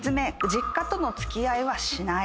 実家との付き合いはしない。